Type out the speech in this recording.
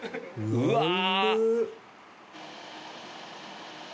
うわ！